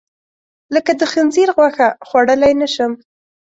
لکه د خنځیر غوښه، خوړلی نه شم.